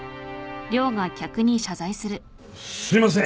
すいません。